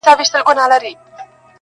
نه له واسکټه اندېښنه نه له بمونو وېره!